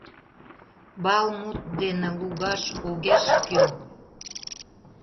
— «Бал» мут дене лугаш огеш кӱл.